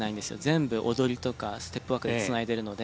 全部踊りとかステップワークでつないでるので。